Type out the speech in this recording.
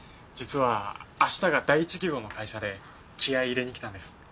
実は明日が第一希望の会社で気合い入れに来たんです。